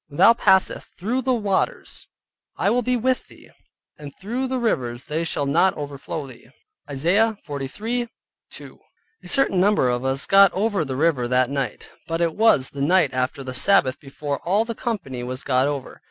"When thou passeth through the waters I will be with thee, and through the rivers they shall not overflow thee" (Isaiah 43.2). A certain number of us got over the river that night, but it was the night after the Sabbath before all the company was got over.